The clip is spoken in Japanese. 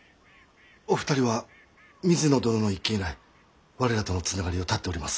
お二人は水野殿の一件以来我らとのつながりを断っております。